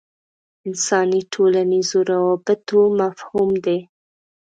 انساني ټولنیزو روابطو مفهوم دی.